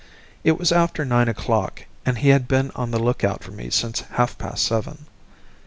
It was after nine o'clock, and he had been on the lookout for me since half past seven.